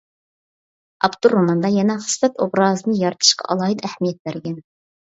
ئاپتور روماندا يەنە خىسلەت ئوبرازىنى يارىتىشقا ئالاھىدە ئەھمىيەت بەرگەن.